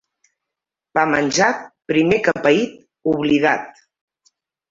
Pa menjat, primer que paït, oblidat.